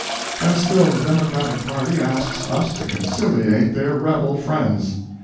And still the Democratic party ask us to conciliate their rebel friends.